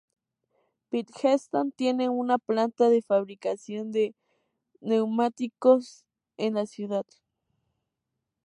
Bridgestone tiene una planta de fabricación de neumáticos en la ciudad.